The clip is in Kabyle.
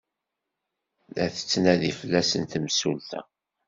La tettnadi fell-asen temsulta.